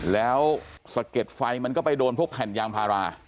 แล้วสะเก็ดไฟมันก็ไปโดนพวกแผ่นยางพารา